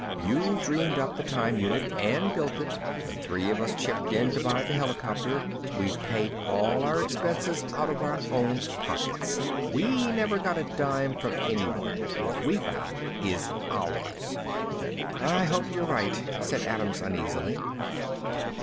You dreamed up the time unit and built it. The three of us chipped in to buy the helicopter. We've paid all of our expenses out of our own pockets. We never got a dime from anyone. What we found is ours." "I hope you're right," said Adams uneasily.